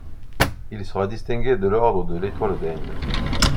Il sera distingué de l'Ordre de l'Étoile d'Inde.